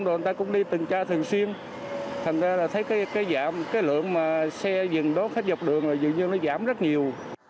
người ta cũng đi tường tra thường xuyên thành ra thấy lượng xe dừng đó khách dọc đường dường như giảm rất nhiều